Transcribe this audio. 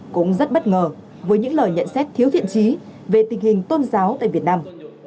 cũng rất bất ngờ với những lời nhận xét thiếu thiện trí về tình hình tôn giáo tại việt nam